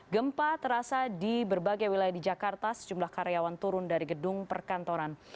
gempa terasa di berbagai wilayah di jakarta sejumlah karyawan turun dari gedung perkantoran